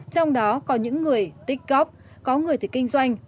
trong đó có những người tích cóp có người thì kinh doanh